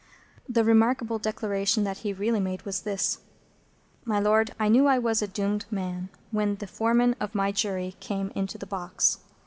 The remarkable declaration that he really made was this: "My Lord, I knew I was a doomed man, when the Foreman of my Jury came into the box.